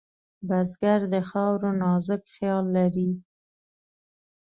بزګر د خاورو نازک خیال لري